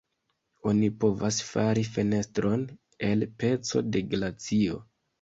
Oni povas fari fenestron el peco da glacio.